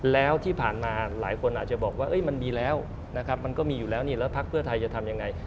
แล้วที่ผ่านมาหลายคนอาจจะบอกว่ามันมีแล้วนะครับมันก็มีอยู่แล้วนี่แล้วพักเพื่อไทยจะทำยังไง